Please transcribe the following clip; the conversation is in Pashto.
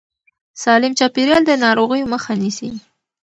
سالم چاپېريال د ناروغیو مخه نیسي.